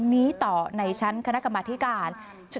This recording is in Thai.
นี้ต่อในชั้นคณะกรรมธิการ